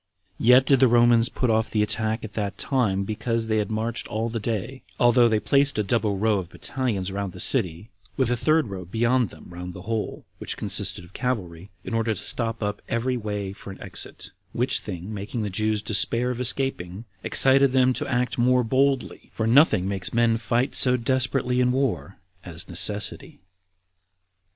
Yet did the Romans put off the attack at that time, because they had marched all the day, although they placed a double row of battalions round the city, with a third row beyond them round the whole, which consisted of cavalry, in order to stop up every way for an exit; which thing making the Jews despair of escaping, excited them to act more boldly; for nothing makes men fight so desperately in war as necessity.